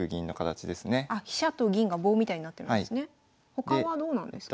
他はどうなんですか？